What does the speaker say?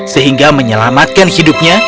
sehingga menyelamatkan hidupnya